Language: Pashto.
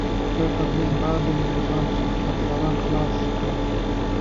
ته پر موږ باندې مهربانه شه، قرضداران خلاص کړه.